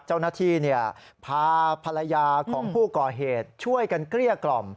เจ้าหน้าที่พาภรรยาของผู้ก่อเหตุช่วยกันเกลี้ยกล่อม